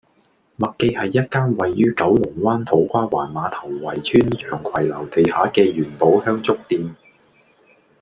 麥記係一間位於九龍土瓜灣馬頭圍邨洋葵樓地下嘅元寶香燭店